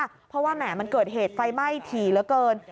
เพราะว่าแหมมันเกิดเหตุไฟไหม้ถี่เหลือเกิน